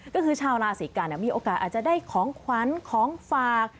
ก็คือชาวราศีกันมีโอกาสอาจจะได้ของขวัญของฝาก